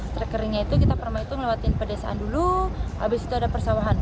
trek ringnya itu kita pertama itu melewati pedesaan dulu abis itu ada persawahan